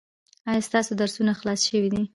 ایا ستاسو درسونه خلاص شوي دي؟